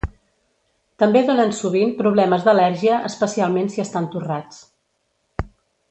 També donen sovint problemes d'al·lèrgia especialment si estan torrats.